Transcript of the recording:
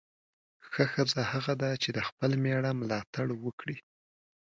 ښه ښځه هغه ده چې د خپل میړه ملاتړ وکړي.